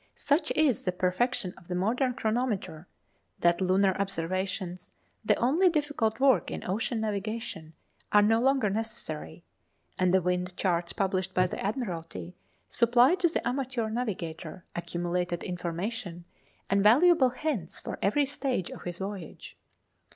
Such is the perfection of the modern chronometer, that lunar observations, the only difficult work in ocean navigation, are no longer necessary; and the wind charts published by the Admiralty supply to the amateur navigator accumulated information and valuable hints for every stage of his voyage.